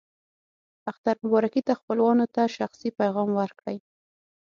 اختر مبارکي ته خپلوانو ته شخصي پیغام ورکړئ.